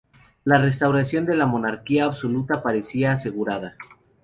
La restauración de la monarquía absoluta parecía asegurada.